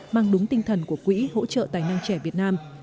mang đúng tinh thần của quỹ hỗ trợ tài năng trẻ việt nam